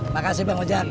makasih bang ojak